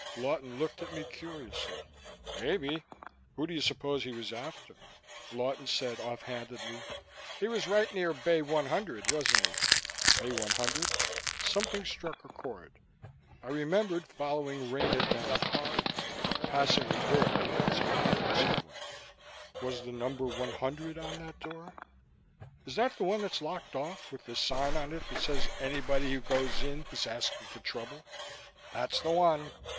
Lawton looked at me curiously. "Maybe." "Who do you suppose he was after?" Lawton said off handedly. "He was right near Bay 100, wasn't he?" "Bay 100?" Something struck a chord; I remembered following Rena down the corridor, passing a door that was odd in some way. Was the number 100 on that door? "Is that the one that's locked off, with the sign on it that says anybody who goes in is asking for trouble?" "That's the one.